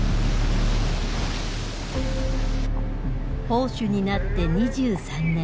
砲手になって２３年。